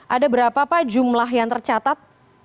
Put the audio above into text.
ada berapa pak jumlah yang tercatat